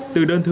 từ đơn thư